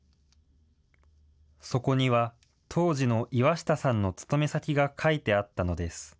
そこには、当時の岩下さんの勤め先が書いてあったのです。